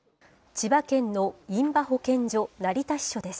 千葉県の印旛保健所成田支所です。